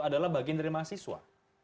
adalah bagian dari mahasiswa